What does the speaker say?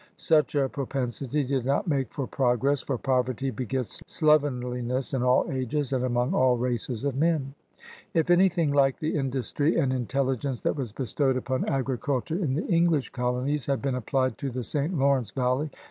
Such a propensity did not make for progress, for poverty begets slovenliness in all ages and among all races of men. n anything like the industry and inteUigence that was bestowed upon agriculture in the English colonies had been applied to the St. Lawrence valley.